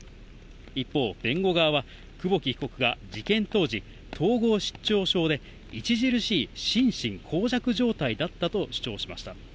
一方、弁護側は、久保木被告が事件当時、統合失調症で、著しい心神耗弱状態だったと主張しました。